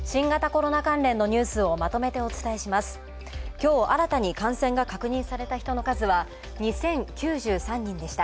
きょう新たに感染が確認された人の数は２０９３人でした。